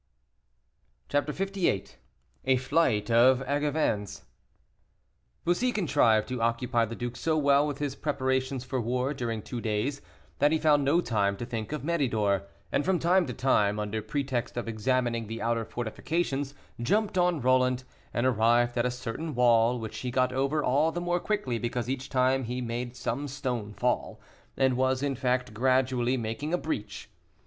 CHAPTER LVIII. A FLIGHT OF ANGEVINS. Bussy contrived to occupy the duke so well with his preparations for war during two days, that he found no time to think of Méridor, and from time to time, under pretext of examining the outer fortifications, jumped on Roland, and arrived at a certain wall, which he got over all the more quickly because each time he made some stone fall, and was, in fact, gradually making a breach.